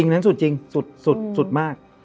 นั้นสุดจริงสุดมาก